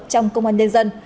trong công an nhân dân